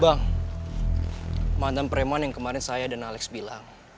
bang mantan preman yang kemarin saya dan alex bilang